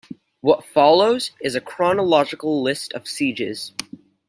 What follows is a chronological list of sieges.